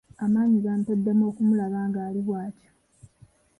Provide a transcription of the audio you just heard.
Amaanyi gampeddemu okumulaba ng'ali bwatyo.